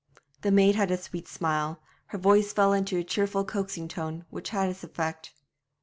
The maid had a sweet smile; her voice fell into a cheerful coaxing tone, which had its effect.